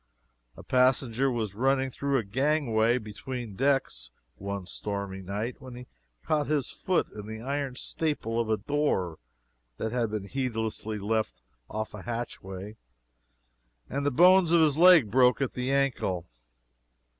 A passenger was running through a gangway, between decks, one stormy night, when he caught his foot in the iron staple of a door that had been heedlessly left off a hatchway, and the bones of his leg broke at the ancle.